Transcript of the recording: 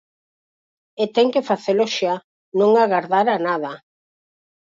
E ten que facelo xa, non agardar a nada.